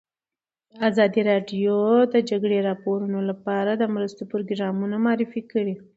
ازادي راډیو د د جګړې راپورونه لپاره د مرستو پروګرامونه معرفي کړي.